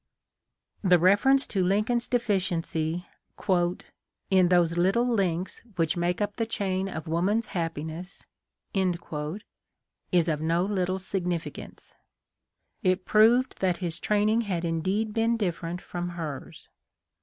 The reference to Lincoln's deficiency " in those little links which make up the chain of woman's happiness" is of no little significance. It proved THE LIFE OF LINCOLN. 1 49 that his training had indeed been different from hers.